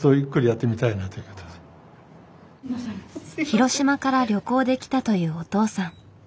広島から旅行で来たというお父さん。